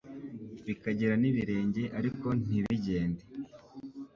bikagira n’ibirenge ariko ntibigende